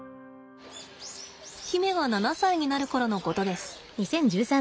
媛が７歳になる頃のことです。